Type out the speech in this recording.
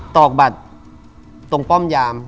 ตอกบัตรตรงป้อมยาม